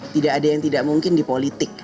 tidak ada yang tidak mungkin di politik